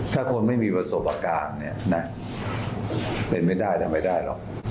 ถ้าคนไม่มีประสบการณ์เนี่ยนะเป็นไม่ได้ทำไม่ได้หรอก